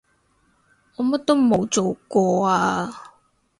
我乜都冇做過啊